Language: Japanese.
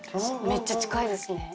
めっちゃ近いですね。